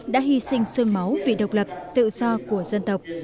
đã hy sinh sương máu vì độc lập tự do của dân tộc